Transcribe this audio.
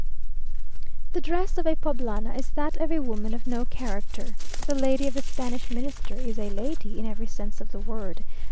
"The dress of a Poblana is that of a woman of no character. The lady of the Spanish Minister is a lady in every sense of the word.